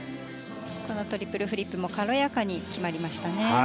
トリプルフリップ軽やかに決まりましたね。